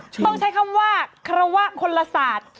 ต้องใช้คำว่าครวะคนละศาสตร์